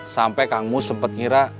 sampai kang mus sempet ngira